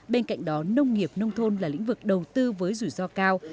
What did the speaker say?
bên cạnh đó nông nghiệp nông thôn là lĩnh vực đầu tư với rủi ro cao